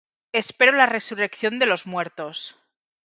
Espero la resurrección de los muertos